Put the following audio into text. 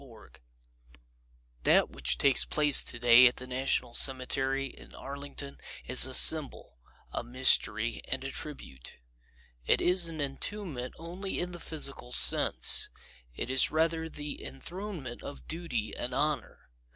O'Brien That which takes place today at the National Cemetery in Arlington is a symbol, a mystery and a tribute. It is an entombment only in the physical sense. It is rather the enthronement of Duty and Honor.